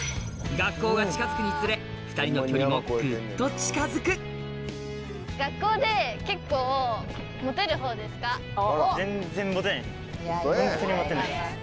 学校が近づくにつれ２人の距離もグッと近づくいやいやいや。